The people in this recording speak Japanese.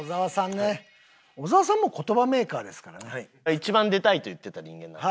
一番出たいと言っていた人間なんで。